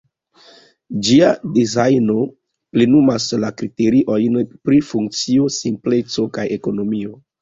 Ĝia dezajno plenumas la kriteriojn pri funkcio, simpleco kaj ekonomio.